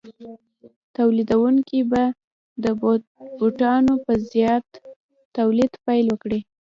تولیدونکي به د بوټانو په زیات تولید پیل وکړي